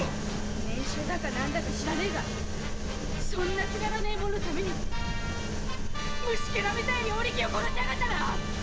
念書だか何だか知らねえがそんなもののために虫ケラみたいにお力を殺しやがったな！